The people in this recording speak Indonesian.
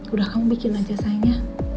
udah kamu bikin aja saya